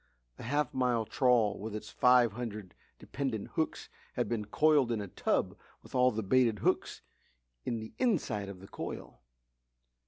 The half mile trawl with its five hundred dependent hooks had been coiled in a tub with all the baited hooks in the inside of the coil.